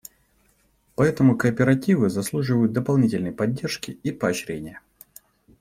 Поэтому кооперативы заслуживают дополнительной поддержки и поощрения.